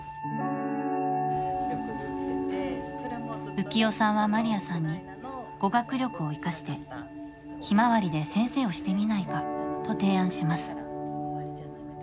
浮世さんはマリアさんに語学力を生かして「ひまわり」で先生をしてみないかと提案します。